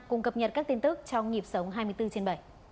cùng cập nhật các tin tức trong nhịp sống hai mươi bốn trên bảy